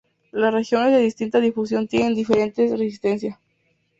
Las regiones de distinta difusión tienen diferente resistencia.